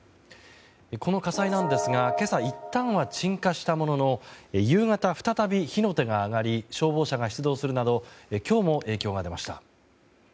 この火災ですが今朝いったんは鎮火したものの夕方、再び火の手が上がり消防車が出動するなど今日も影響が出ました。